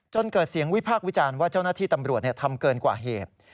เกิดเสียงวิพากษ์วิจารณ์ว่าเจ้าหน้าที่ตำรวจทำเกินกว่าเหตุ